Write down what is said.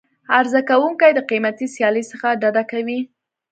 عرضه کوونکي د قیمتي سیالۍ څخه ډډه کوي.